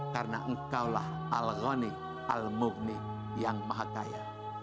karena engkau lah al ghani al mughni yang maha kaya